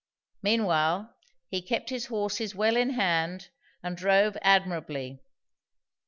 Meanwhile he kept his horses well in hand and drove admirably.